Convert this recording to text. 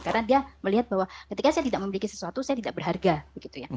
karena dia melihat bahwa ketika saya tidak memiliki sesuatu saya tidak berharga